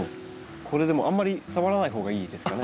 これでもあんまり触らない方がいいですかね？